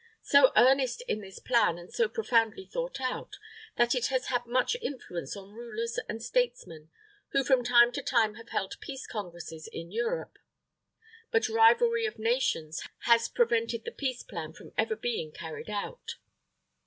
So earnest is this plan and so profoundly thought out, that it has had much influence on rulers and statesmen, who from time to time have held peace congresses in Europe. But rivalry of Nations, has prevented the peace plan from ever being carried out.